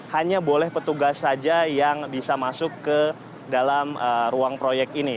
hanya boleh petugas saja yang bisa masuk ke dalam ruang proyek ini